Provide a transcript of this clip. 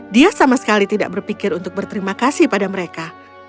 dia sama sekali tidak berpikir untuk berterima kasih pada mereka